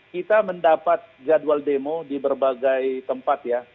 kita mendapat jadwal demo di berbagai tempat ya